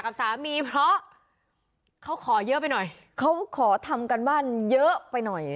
กับสามีเพราะเขาขอเยอะไปหน่อยเขาขอทำการบ้านเยอะไปหน่อย